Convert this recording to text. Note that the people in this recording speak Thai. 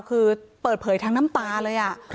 ที่เปิดเผยทางน้ำตาเลย